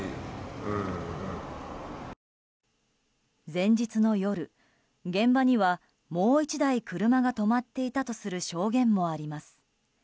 前日の夜、現場にはもう１台車が止まっていたとする証言もあります。